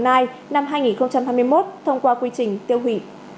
hàng hóa tịch thu tỉnh đồng nai năm hai nghìn hai mươi một thông qua quy trình tiêu hủy